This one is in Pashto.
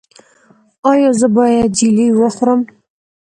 ایا زه باید جیلې وخورم؟